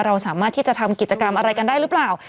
เราสามารถที่จะทำกิจกรรมอะไรกันได้หรือเปล่า